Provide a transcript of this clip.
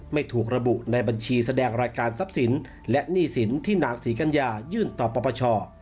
ไม่ถูกระบุในบัญชีแสดงรายการทรัพย์สินและหนี้สินที่นางศรีกัญญายื่นต่อปปช